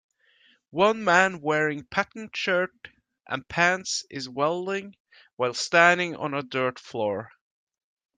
One man wearing patterned shirt and pants is welding while standing on a dirt floor.